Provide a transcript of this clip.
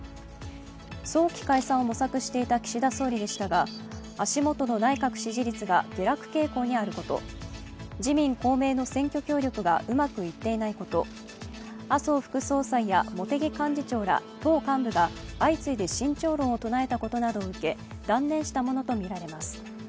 早期解散を模索していた岸田総理でしたが、足元の内閣支持率が下落傾向にあること、自民・公明の選挙協力がうまくいっていないこと、麻生副総裁や茂木幹事長ら党幹部が相次いで慎重論を唱えたことなどを受け断念したものとみられます。